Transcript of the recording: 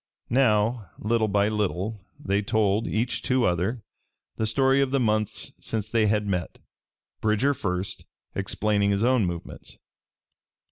Now, little by little, they told, each to other, the story of the months since they had met, Bridger first explaining his own movements.